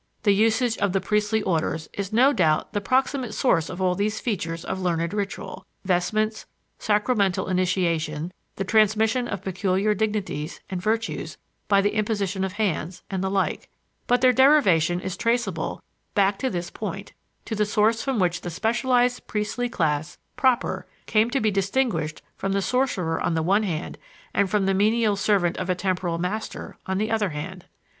The usage of the priestly orders is no doubt the proximate source of all these features of learned ritual, vestments, sacramental initiation, the transmission of peculiar dignities and virtues by the imposition of hands, and the like; but their derivation is traceable back of this point, to the source from which the specialized priestly class proper came to be distinguished from the sorcerer on the one hand and from the menial servant of a temporal master on the other hand.